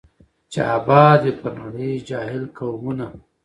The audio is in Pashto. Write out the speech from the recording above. چي آباد وي پر نړۍ جاهل قومونه